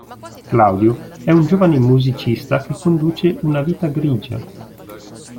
Claudio è un giovane musicista che conduce una vita grigia.